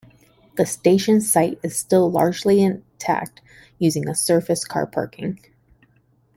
The station site is still largely intact used as surface car parking.